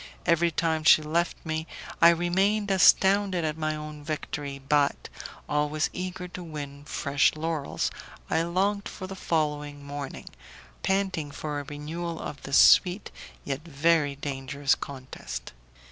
Every time she left me I remained astounded at my own victory, but, always eager to win fresh laurels, I longed for the following morning, panting for a renewal of this sweet yet very dangerous contest.